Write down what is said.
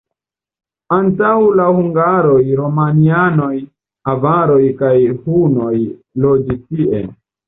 Antaŭ la hungaroj romianoj, avaroj kaj hunoj loĝis tie.